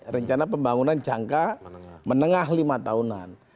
rencana pembangunan jangka menengah lima tahunan